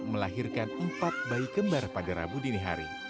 melahirkan empat bayi kembar pada rabu dini hari